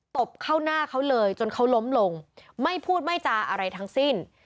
ตบเข้าหน้าเขาเลยจนเขาล้มลงไม่พูดไม่จาอะไรทั้งสิ้น